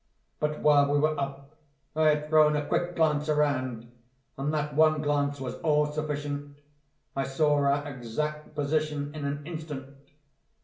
But while we were up I had thrown a quick glance around—and that one glance was all sufficient. I saw our exact position in an instant.